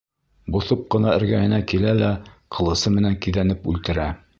Боҫоп ҡына эргәһенә килә лә ҡылысы менән киҙәнеп үлтерә.